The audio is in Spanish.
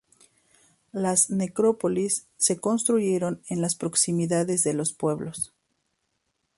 Las necrópolis se construyeron en las proximidades de los pueblos.